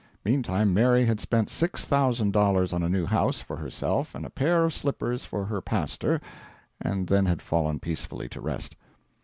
Meantime Mary had spent six thousand dollars on a new house for herself and a pair of slippers for her pastor, and then had fallen peacefully to rest.